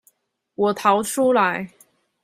我逃出來